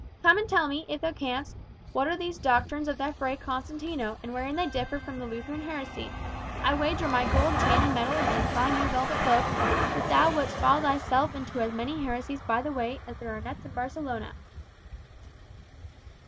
"Come and tell me, if thou canst, what are these doctrines of thy Fray Constantino; and wherein they differ from the Lutheran heresy? I wager my gold chain and medal against thy new velvet cloak, that thou wouldst fall thyself into as many heresies by the way as there are nuts in Barcelona."